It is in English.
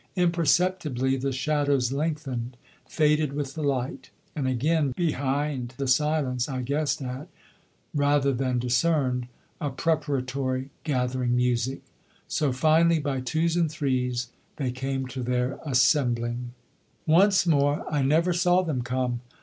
Imperceptibly the shadows lengthened, faded with the light; and again behind the silence I guessed at, rather than discerned, a preparatory, gathering music. So finally, by twos and threes, they came to their assembling. Once more I never saw them come.